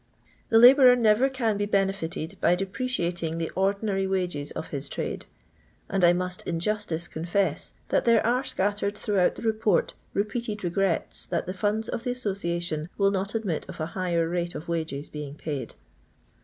The labourer never can be benefited by depreciating the ordl nar}' wages of his trade; and I must in justice con fess, that there are scattered throughout the Bepoft repeated regrets that the funds of the Association will«otadmitof a higher rate of wages being paid.